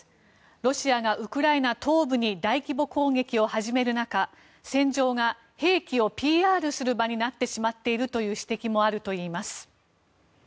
ロシアがウクライナ東部に大規模攻撃を始める中戦場が兵器をＰＲする場になってしまっているという指摘もあるといいます。